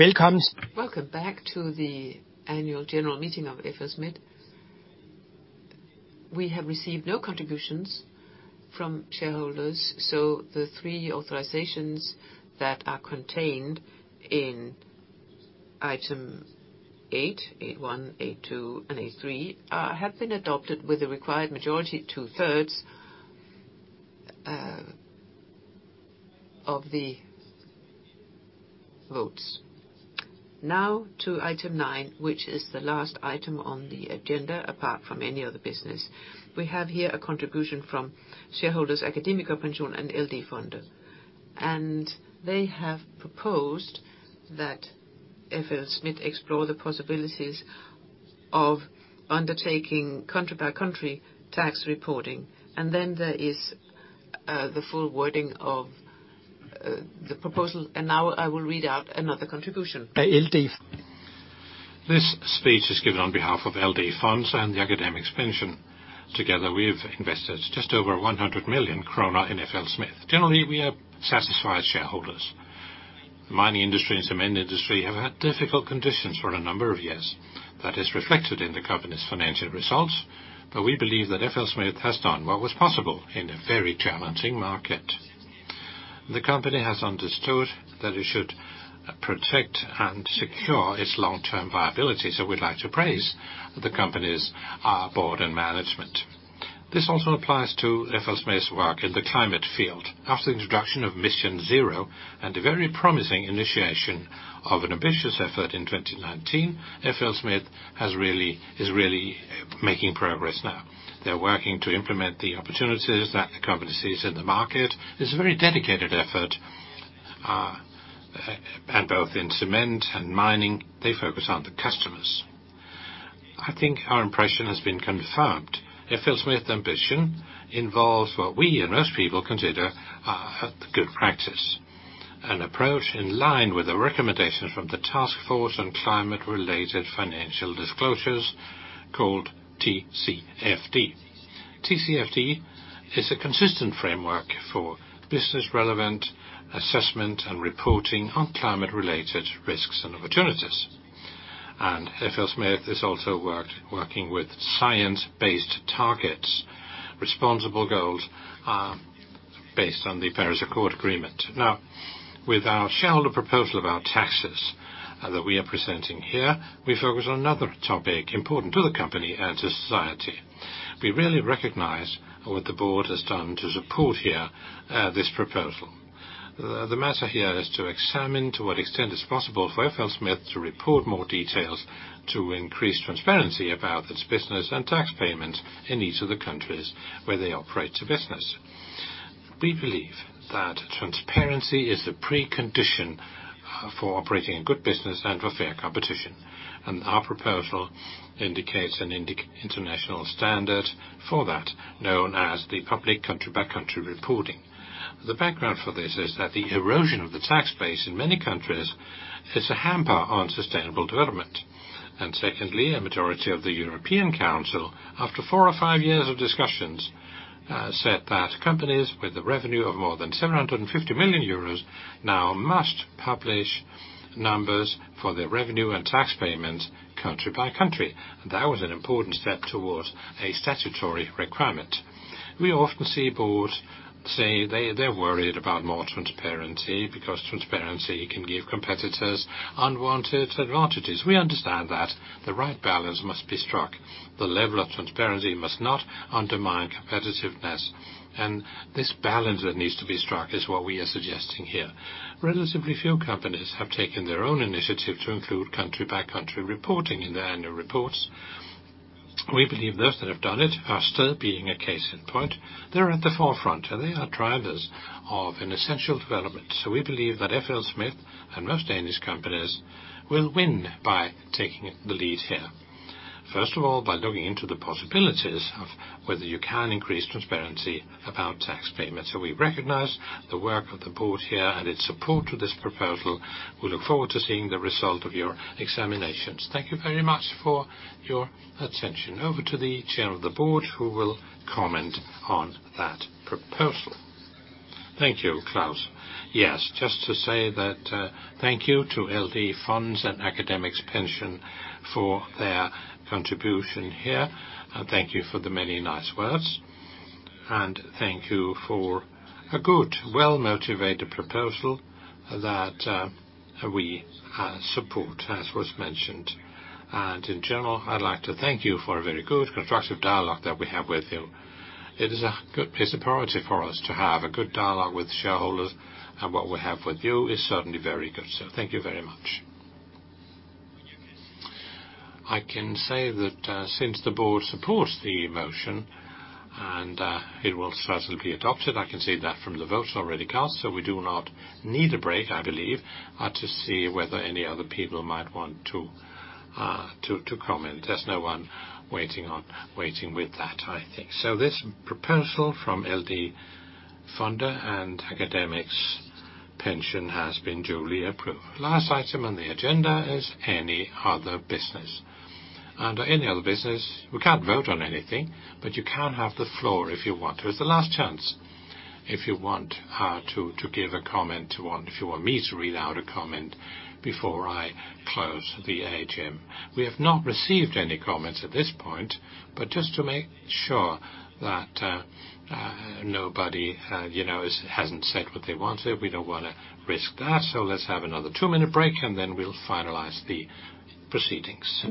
Welcome back to the annual general meeting of FLSmidth. We have received no contributions from shareholders, so the three authorizations that are contained in item eight, 8.1, 8.2, and 8.3 have been adopted with the required majority, two-thirds of the votes. Now to item nine, which is the last item on the agenda apart from any other business. We have here a contribution from shareholders' AkademikerPension and LD Fonde, and they have proposed that FLSmidth explore the possibilities of undertaking country-by-country tax reporting, and then there is the full wording of the proposal, and now I will read out another contribution. This speech is given on behalf of LD Fonde and AkademikerPension, together with investors just over 100 million krone in FLSmidth. Generally, we are satisfied shareholders. The mining industry and cement industry have had difficult conditions for a number of years. That is reflected in the company's financial results, but we believe that FLSmidth has done what was possible in a very challenging market. The company has understood that it should protect and secure its long-term viability, so we'd like to praise the company's board and management. This also applies to FLSmidth's work in the climate field. After the introduction of MissionZero and a very promising initiation of an ambitious effort in 2019, FLSmidth is really making progress now. They're working to implement the opportunities that the company sees in the market. It's a very dedicated effort, and both in cement and mining, they focus on the customers. I think our impression has been confirmed. FLSmidth's ambition involves what we and most people consider good practice, an approach in line with the recommendations from the Task Force on Climate-Related Financial Disclosures called TCFD. TCFD is a consistent framework for business-relevant assessment and reporting on climate-related risks and opportunities, and FLSmidth is also working with science-based targets, responsible goals based on the Paris Accord Agreement. Now, with our shareholder proposal about taxes that we are presenting here, we focus on another topic important to the company and to society. We really recognize what the board has done to support here this proposal. The matter here is to examine to what extent it's possible for FLSmidth to report more details to increase transparency about its business and tax payments in each of the countries where they operate the business. We believe that transparency is a precondition for operating a good business and for fair competition, and our proposal indicates an international standard for that known as the public country-by-country reporting. The background for this is that the erosion of the tax base in many countries is a hamper on sustainable development, and secondly, a majority of the European Council, after four or five years of discussions, said that companies with a revenue of more than 750 million euros now must publish numbers for their revenue and tax payments country-by-country. That was an important step towards a statutory requirement. We often see boards say they're worried about more transparency because transparency can give competitors unwanted advantages. We understand that the right balance must be struck. The level of transparency must not undermine competitiveness, and this balance that needs to be struck is what we are suggesting here. Relatively few companies have taken their own initiative to include country-by-country reporting in their annual reports. We believe those that have done it are still being a case in point. They're at the forefront, and they are drivers of an essential development, so we believe that FLSmidth and most Danish companies will win by taking the lead here. First of all, by looking into the possibilities of whether you can increase transparency about tax payments. So we recognize the work of the board here and its support to this proposal. We look forward to seeing the result of your examinations. Thank you very much for your attention. Over to the Chair of the Board, who will comment on that proposal. Thank you, Klaus. Yes, just to say that thank you to LD Fonde and AkademikerPension for their contribution here, and thank you for the many nice words, and thank you for a good, well-motivated proposal that we support, as was mentioned, and in general, I'd like to thank you for a very good, constructive dialogue that we have with you. It is a priority for us to have a good dialogue with shareholders, and what we have with you is certainly very good, so thank you very much. I can say that since the board supports the motion and it will certainly be adopted, I can see that from the votes already cast, so we do not need a break, I believe, to see whether any other people might want to comment. There's no one waiting with that, I think. So this proposal from LD Fonde and AkademikerPension has been duly approved. Last item on the agenda is any other business. Under any other business, we can't vote on anything, but you can have the floor if you want. It's the last chance if you want to give a comment, if you want me to read out a comment before I close the AGM. We have not received any comments at this point, but just to make sure that nobody hasn't said what they wanted, we don't want to risk that, so let's have another two-minute break, and then we'll finalize the proceedings.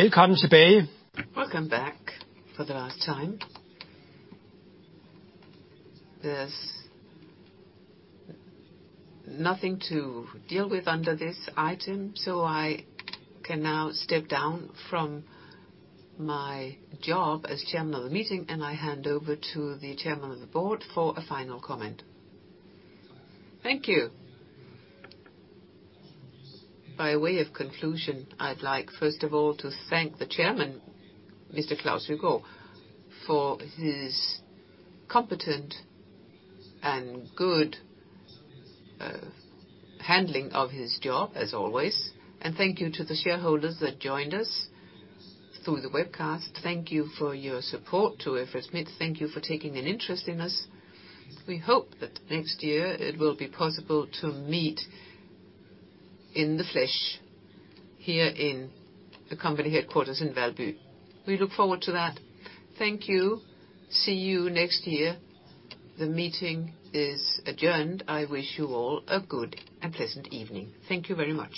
Welcome back for the last time. There's nothing to deal with under this item, so I can now step down from my job as chairman of the meeting, and I hand over to the chairman of the board for a final comment. Thank you. By way of conclusion, I'd like, first of all, to thank the chairman, Mr. Klaus Søgaard, for his competent and good handling of his job, as always, and thank you to the shareholders that joined us through the webcast. Thank you for your support to FLSmidth. Thank you for taking an interest in us. We hope that next year it will be possible to meet in the flesh here in the company headquarters in Valby. We look forward to that. Thank you. See you next year. The meeting is adjourned. I wish you all a good and pleasant evening. Thank you very much.